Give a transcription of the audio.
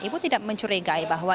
ibu tidak mencurigai bahwa